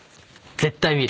絶対見る。